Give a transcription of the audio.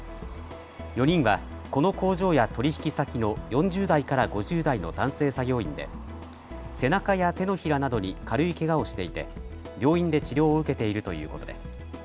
４人はこの工場や取引先の４０代から５０代の男性作業員で背中や手のひらなどに軽いけがをしていて病院で治療を受けているということです。